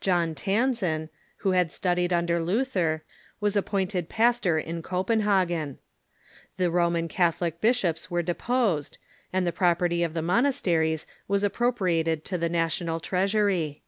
John Tausen, who had studied under Luther, was appointed pastor in Copenhagen. The Roman Catholic bishops were deposed, and the property of the monasteries was appropriated to the national treasury.